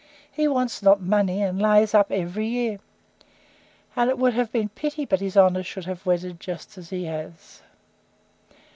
He wants not money, and lays up every year. And it would have been pity but his honour should have wedded just as he has.